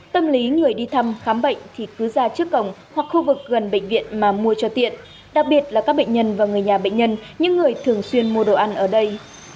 tâm lý người đi thăm khám bệnh thì cứ ra trước cổng hoặc khu vực gần bệnh viện mà mua cho tiện đặc biệt là các bệnh nhân và người nhà bệnh nhân những người thường xuyên mua đồ ăn ở đây